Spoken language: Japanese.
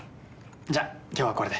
じゃあ今日はこれで。